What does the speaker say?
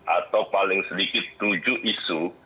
atau paling sedikit tujuh isu